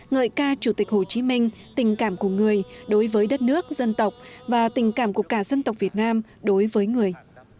ngợi ca chủ tịch hồ chí minh tình cảm của người đối với đất nước dân tộc và tình cảm của cả dân tộc việt nam đối với người